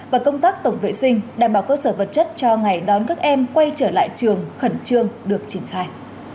và công tác tổng vệ sinh đảm bảo cơ sở vật chất cho ngày đón các em quay trở lại trường khẩn trương được triển khai